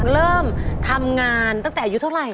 เริ่มทำงานตั้งแต่อายุเท่าไหร่